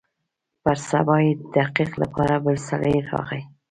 پر سبا يې د تحقيق لپاره بل سړى راغى.